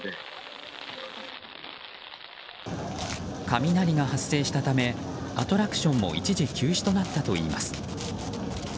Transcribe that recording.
雷が発生したためアトラクションも一時休止となったといいます。